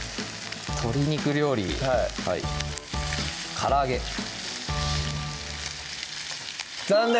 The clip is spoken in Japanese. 鶏肉料理はいから揚げ残念！